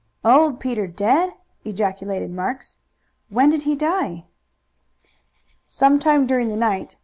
"Old Peter dead!" ejaculated Marks. "When did he die?" "Some time during the night.